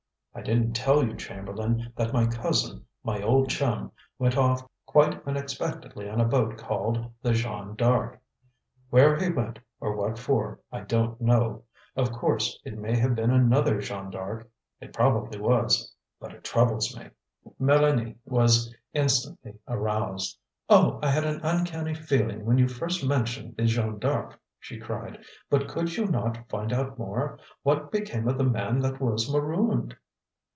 "I didn't tell you, Chamberlain, that my cousin, my old chum, went off quite unexpectedly on a boat called the Jeanne D'Arc. Where he went or what for, I don't know. Of course, it may have been another Jeanne D'Arc; it probably was. But it troubles me." Mélanie was instantly aroused. "Oh, I had an uncanny feeling when you first mentioned the Jeanne D'Arc!" she cried. "But could you not find out more? What became of the man that was marooned?"